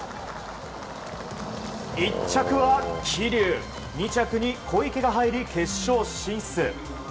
１着は桐生２着に小池が入り決勝進出。